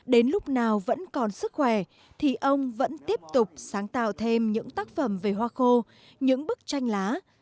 đến lúc nào vẫn còn sức khỏe thì ông vẫn tiếp tục sáng tạo thêm những tác phẩm về hoa khô những bức tranh lá